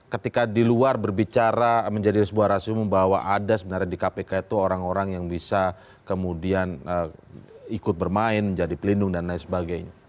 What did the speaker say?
ketika di luar berbicara menjadi sebuah rasium bahwa ada sebenarnya di kpk itu orang orang yang bisa kemudian ikut bermain menjadi pelindung dan lain sebagainya